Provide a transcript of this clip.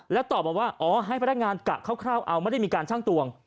แล้วตอบมาว่าอ๋อให้พนักงานกะคร่าวเอาไม่ได้มีการชั่งตวง